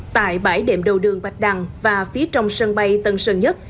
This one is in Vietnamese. tại bãi đệm đầu đường bạch đăng và phía trong sân bay tân sơn nhất